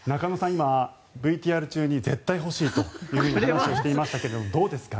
今、ＶＴＲ中に絶対欲しいとおっしゃっていましたがどうですか？